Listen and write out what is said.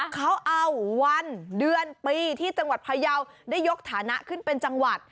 เขาเอาวันเดือนปีที่จังหวัดพยาวได้ยกฐานะขึ้นเป็นจังหวัด